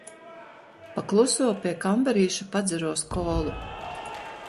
Pa kluso pie kambarīša padzeros kolu.